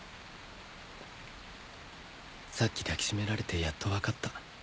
さっき抱き締められてやっと分かった。